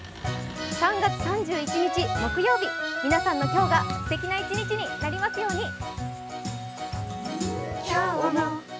３月３１日木曜日皆さんの今日がすてきな一日になりますように。